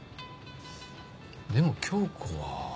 でも杏子は。